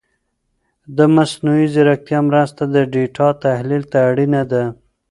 د مصنوعي ځیرکتیا مرسته د ډېټا تحلیل ته اړینه ده.